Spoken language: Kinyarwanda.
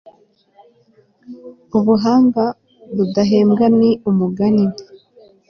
ubuhanga budahembwa ni umugani